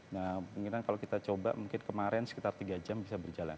nah mungkinan kalau kita coba mungkin kemarin sekitar tiga jam bisa berjalan